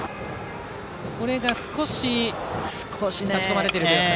これが少し差し込まれていると。